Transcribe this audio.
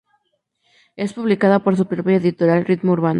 Es publicada por su propia editorial: Ritmo Urbano.